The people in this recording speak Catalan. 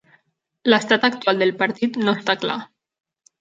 L'estat actual del partit no està clar.